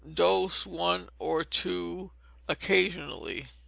Dose, one or two occasionally.